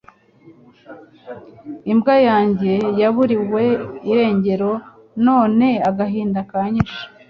Imbwa yanjye yaburiwe irengerero none agahinda kanyishe